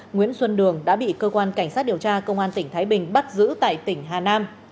nguyễn xuân đường đã bị cơ quan cảnh sát điều tra công an tỉnh thái bình bắt giữ tại tỉnh hà nam